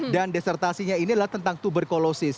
dan desertasinya inilah tentang tuberkulosis